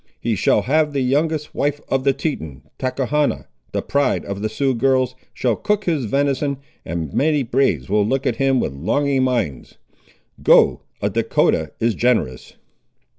He shall have the youngest wife of the Teton. Tachechana, the pride of the Sioux girls, shall cook his venison, and many braves will look at him with longing minds. Go, a Dahcotah is generous."